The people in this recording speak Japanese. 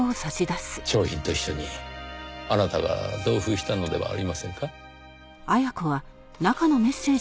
商品と一緒にあなたが同封したのではありませんか？